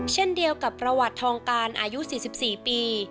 เช่นเดียวกับประวัติทองการอายุ๔๔ปี